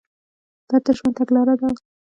قدرت د ژوند تګلاره ده.